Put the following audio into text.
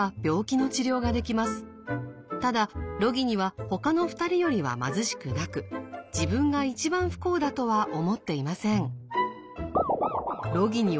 ただロギニはほかの２人よりは貧しくなく自分が一番不幸だとは思っていません。